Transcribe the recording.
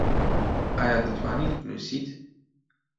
ئایا دەتوانیت بنووسیت؟